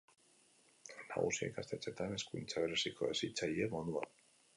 Nagusia, ikastetxetan, Hezkuntza bereziko hezitzaile moduan.